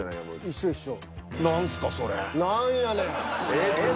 一緒一緒。